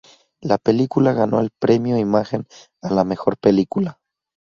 La película ganó el "Premio Imagen" a la Mejor Película.